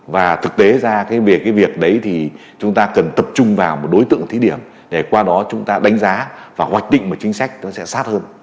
và thực tế ra cái việc đấy thì chúng ta cần tập trung vào một đối tượng thí điểm để qua đó chúng ta đánh giá và hoạch định một chính sách nó sẽ sát hơn